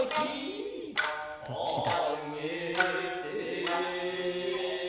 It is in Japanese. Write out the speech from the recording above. どっちだ？